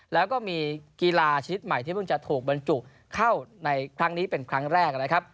แล้วก็มีกีฬาชนิดใหม่ที่เพิ่งจะถูกบรรจุเข้าในครั้งนี้เป็นครั้งแรกนะครับ